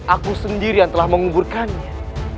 aku sendiri yang telah menguburkannya